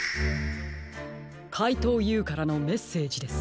かいとうＵからのメッセージです。